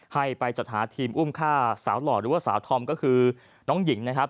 ให้ไปจัดหาทีมอุ้มฆ่าสาวหล่อหรือว่าสาวธอมก็คือน้องหญิงนะครับ